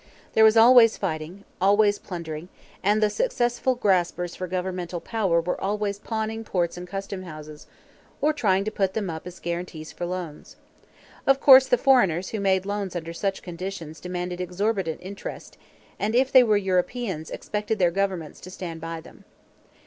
There was always fighting, always plundering; and the successful graspers for governmental power were always pawning ports and custom houses, or trying to put them up as guarantees for loans. Of course the foreigners who made loans under such conditions demanded exorbitant interest, and if they were Europeans expected their governments to stand by them.